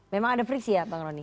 memang ada friksi ya pak ngroni